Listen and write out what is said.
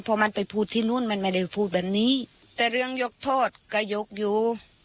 พอมันไปพูดที่นู้นมันไม่ได้พูดแบบนี้แต่เรื่องยกโทษก็ยกอยู่